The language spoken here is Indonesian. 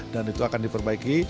dan itu akan diperbaiki